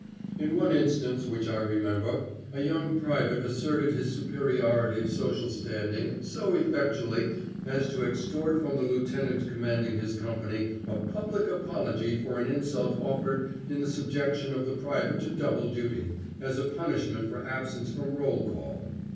In one instance which I remember, a young private asserted his superiority of social standing so effectually as to extort from the lieutenant commanding his company a public apology for an insult offered in the subjection of the private to double duty, as a punishment for absence from roll call.